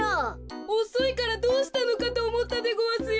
おそいからどうしたのかとおもったでごわすよ。